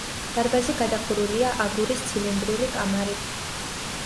დარბაზი გადახურულია აგურის ცილინდრული კამარით.